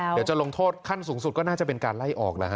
เดี๋ยวจะลงโทษขั้นสูงสุดก็น่าจะเป็นการไล่ออกแล้วฮ